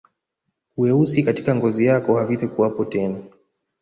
Weusi katika ngozi yako havitakuwepo tena